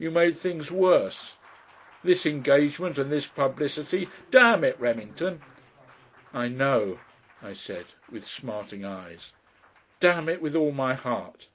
You made things worse. This engagement and this publicity! Damn it, Remington!" "I know," I said, with smarting eyes. "Damn it! with all my heart!